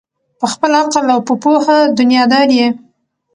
په خپل عقل او په پوهه دنیادار یې